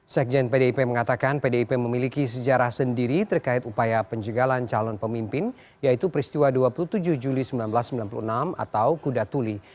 sekjen pdip mengatakan pdip memiliki sejarah sendiri terkait upaya penjagalan calon pemimpin yaitu peristiwa dua puluh tujuh juli seribu sembilan ratus sembilan puluh enam atau kuda tuli